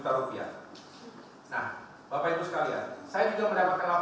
ada dugaan lebih dari satu dua ratus sertifikat tanah yang dimasukkan di banyuwangi